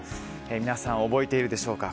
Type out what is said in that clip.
皆さん、覚えているでしょうか。